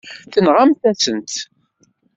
Tenɣamt-asen-tt.